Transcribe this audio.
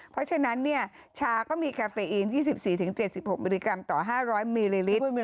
เพราะฉะนั้นชาก็มีคาเฟอีน๒๔๗๖มิลลิกรัมต่อ๕๐๐มิลลิลิตร